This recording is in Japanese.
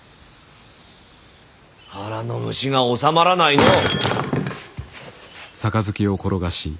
腹の虫がおさまらないのう！